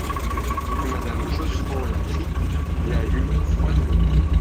Madame Josserand la prit, la lut froidement.